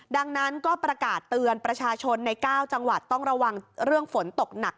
ดังนั้นก็ประกาศเตือนประชาชนใน๙จังหวัดต้องระวังเรื่องฝนตกหนัก